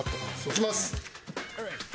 いきます。